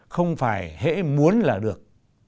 không phải hễ muốn là được